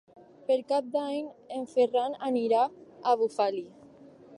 Per Cap d'Any en Ferran anirà a Bufali.